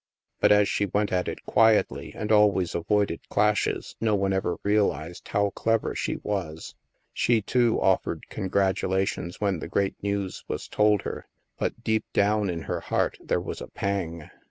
But as she went at it quietly and always avoided clashes, no one ever realized how clever she was. She, too, offered congratulations when the great news was told her. But, deep down in her heart, there was a pang.